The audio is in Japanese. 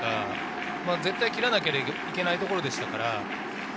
絶対切らなければいけないところでしたから。